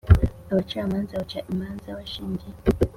Abacamanza baca imanza bashingiye